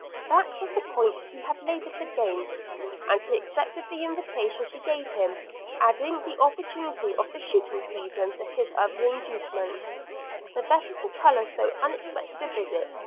That was the point he had laboured to gain, and he accepted the invitation she gave him, adding the opportunity of the shooting season to his other inducements, the better to colour so unexpected a visit.